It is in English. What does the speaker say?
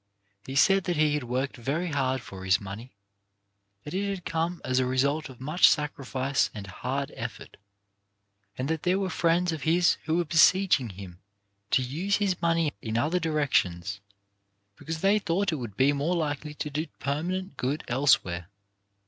He said that he had worked very hard for his money, that it had come as a result of much sacrifice and hard effort, and that there were friends of his who were beseeching him to use his money in other directions, because they thought it would be more likely to do permanent good elsewhere.